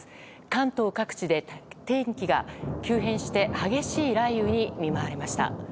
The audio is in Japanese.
関東各地で天気が急変して激しい雷雨に見舞われました。